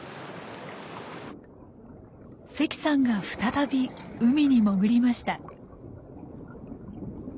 関さんが再び海に潜りました。